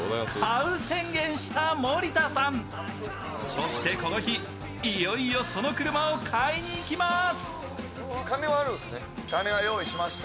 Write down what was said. そしてこの日、いよいよその車を買いに行きます。